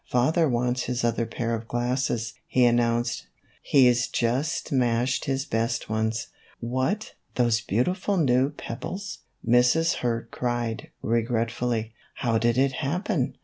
"Father wants his other pair of glasses," he announced; "he's just smashed his best ones." " What, those beautiful new pebbles !" Mrs. Hurd cried, regretfully ;" how did it happen